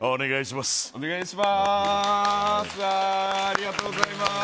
お願いします。